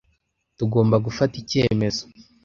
Tugomba gufata icyemezo.